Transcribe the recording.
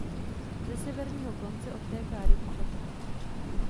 Ze severního konce odtéká Rybí potok.